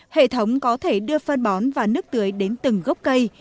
hệ thống có thể đưa phân bón và nước tưới đến từng gốc cây